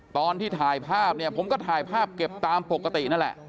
ตอนที่ถ่ายภาพเนี่ยผมก็ถ่ายภาพเก็บตามปกตินั่นแหละ